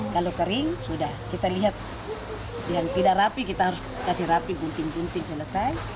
kalau kering sudah kita lihat yang tidak rapi kita harus kasih rapi gunting gunting selesai